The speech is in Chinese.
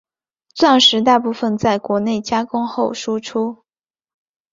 钻石大部份在国内加工后输出。